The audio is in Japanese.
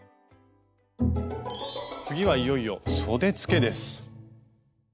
次はいよいよそでつけです。